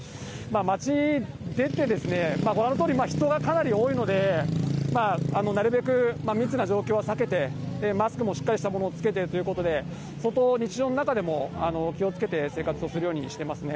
街出て、ご覧のとおり、人がかなり多いので、なるべく密な状況は避けて、マスクもしっかりしたものを着けてということで、相当、日常の中でも気をつけて生活をするようにしてますね。